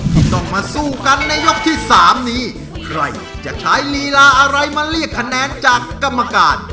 ที่ต้องมาสู้กันในยกที่สามนี้ใครจะใช้ลีลาอะไรมาเรียกคะแนนจากกรรมการ